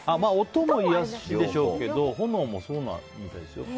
音も癒やしでしょうけど炎もそうみたいですよ。